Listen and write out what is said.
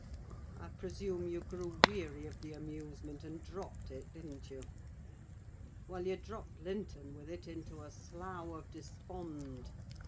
I presume you grew weary of the amusement and dropped it, didn't you? Well, you dropped Linton with it into a Slough of Despond.